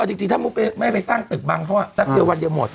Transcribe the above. จริงถ้าไม่ไปสร้างตึกบังเขาแป๊บเดียววันเดียวหมด